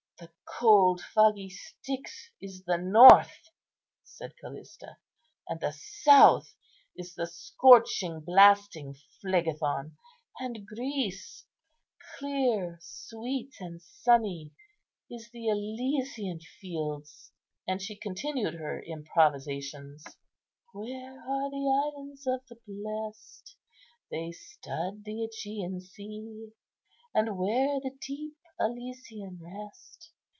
"The cold, foggy Styx is the north," said Callista, "and the south is the scorching, blasting Phlegethon, and Greece, clear, sweet, and sunny, is the Elysian fields." And she continued her improvisations:— "Where are the islands of the blest? They stud the Ægean sea; And where the deep Elysian rest?